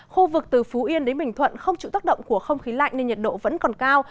khu vực từ phú yên đến bình thuận không chịu tác động của không khí lạnh nên nhiệt độ vẫn còn cao